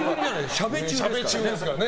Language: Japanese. しゃべ中ですからね。